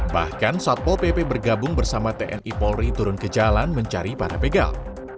bahkan satpol pp bergabung bersama tni polri turun ke jalan mencari para begal